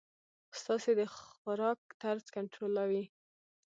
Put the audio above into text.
ستاسي د خوراک طرز کنټرولوی.